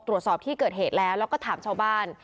ตรวจสอบที่เกิดเหตุแล้วแล้วก็ถามชาวบ้าน